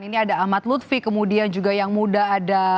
ini ada ahmad lutfi kemudian juga yang muda ada